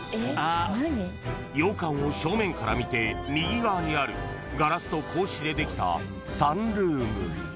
［洋館を正面から見て右側にあるガラスと格子でできた］